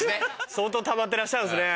相当たまってらっしゃるんですね。